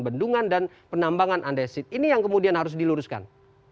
jadi ini adalah hal yang harus diluruskan